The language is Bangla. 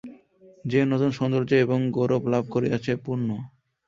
যে নূতন সৌন্দর্য এবং গৌরব লাভ করিয়াছে– পূর্ণ।